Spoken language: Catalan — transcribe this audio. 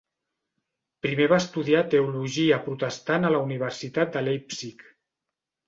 Primer va estudiar teologia protestant a la Universitat de Leipzig.